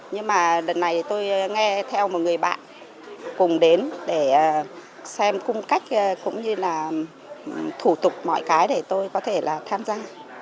nhưng mà đợt này tôi nghe theo một người bạn cùng đến để xem cung cách cũng như là thủ tục mọi cái để tôi có thể là tham gia